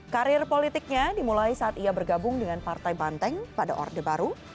karir politiknya dimulai saat ia bergabung dengan partai banteng pada orde baru